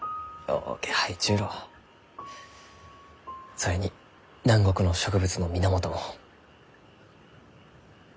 それに南国の植物の源も。